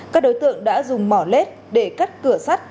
các đối tượng đã dùng mỏ lết để cắt cửa sắt